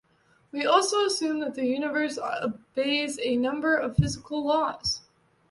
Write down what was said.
We also assume that the universe obeys a number of physical laws.